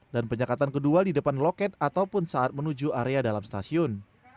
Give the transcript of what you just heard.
dan penyekatan kedua di depan loket ataupun saat menuju area dalam stasiun